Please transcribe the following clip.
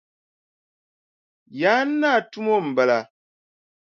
Yaan naa tumo m-bala.